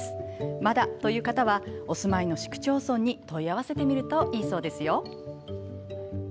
まだという方はお住まいの市区町村に問い合わせてみるといいそうですよ。